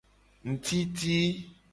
Ngtiti.